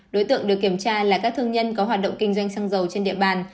đối tượng được kiểm tra là các thương nhân có hoạt động kinh doanh xăng dầu trên địa bàn